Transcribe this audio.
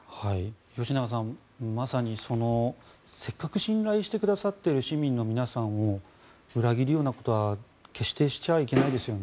吉永さん、まさにせっかく信頼してくださっている市民の皆さんを裏切るようなことは決してしちゃいけないですよね。